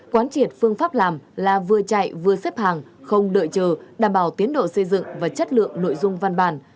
quán triệt phương pháp làm là vừa chạy vừa xếp hàng không đợi chờ đảm bảo tiến độ xây dựng và chất lượng nội dung văn bản